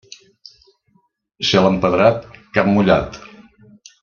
Cel empedrat, camp mullat.